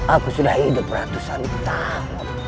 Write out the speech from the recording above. aku sudah hidup ratusan utang